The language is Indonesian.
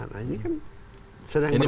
nah ini kan sedang berperan